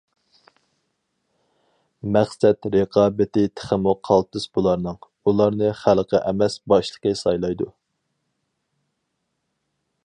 مەقسەت رىقابىتى تېخىمۇ قالتىس بۇلارنىڭ، ئۇلارنى خەلقى ئەمەس باشلىقى سايلايدۇ.